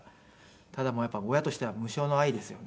ただ親としては無償の愛ですよね。